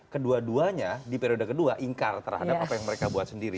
kedua duanya di periode kedua ingkar terhadap apa yang mereka buat sendiri